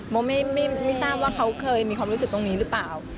โมไม่ทราบว่าเขาเคยมีความรู้สึกตรงนี้หรือเปล่า